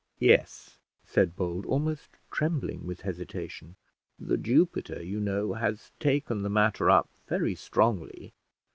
"Yes," said Bold, almost trembling with hesitation. "The Jupiter, you know, has taken the matter up very strongly.